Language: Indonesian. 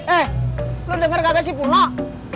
eh lo denger gak kasih pulak